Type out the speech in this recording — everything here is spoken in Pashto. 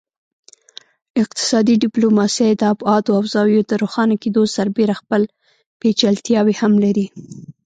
اقتصادي ډیپلوماسي د ابعادو او زاویو د روښانه کیدو سربیره خپل پیچلتیاوې هم لري